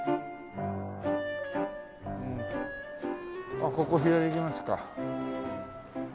あっここ左行きますか。